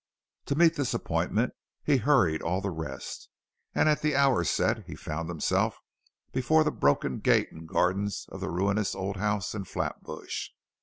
To meet this appointment he hurried all the rest, and at the hour set, he found himself before the broken gate and gardens of the ruinous old house in Flatbush.